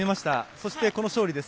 そして、勝利です。